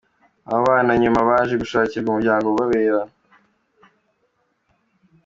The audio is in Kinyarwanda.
Abo bana nyuma baje gushakirwa umuryango ubarera.